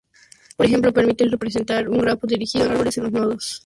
Por ejemplo permiten representar un grafo dirigido con árboles en los nodos.